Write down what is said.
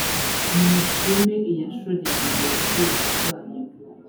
nimushime iyashorereye ubwoko bwayo